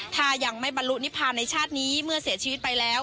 ถ้ายังไม่บรรลุนิพานในชาตินี้เมื่อเสียชีวิตไปแล้ว